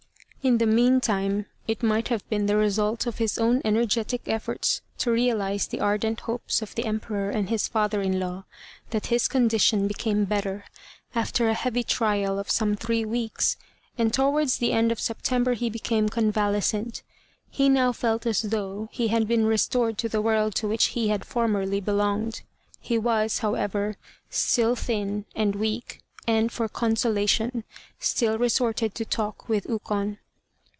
In the meantime, it might have been the result of his own energetic efforts to realize the ardent hopes of the Emperor and his father in law, that his condition became better, after a heavy trial of some three weeks; and towards the end of September he became convalescent. He now felt as though he had been restored to the world to which he had formerly belonged. He was, however, still thin and weak, and, for consolation, still resorted to talk with Ukon.